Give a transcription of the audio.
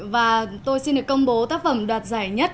và tôi xin được công bố tác phẩm đoạt giải nhất